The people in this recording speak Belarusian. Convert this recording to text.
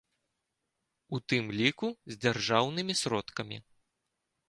У тым ліку, з дзяржаўнымі сродкамі.